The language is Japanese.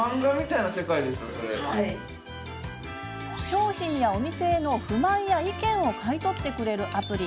商品やお店への不満や意見を買い取ってくれるアプリ。